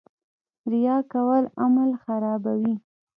ریا کول عمل خرابوي